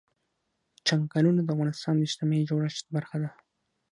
چنګلونه د افغانستان د اجتماعي جوړښت برخه ده.